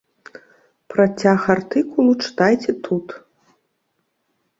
Працяг артыкулу чытайце тут.